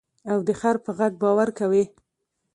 او د خر په غږ باور کوې.